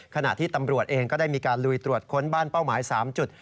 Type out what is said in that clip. ขณะที่ตำรวจเองก็ได้มีการลุยตรวจค้นบ้านเป้าหมาย๓จุด